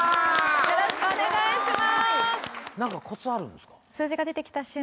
よろしくお願いします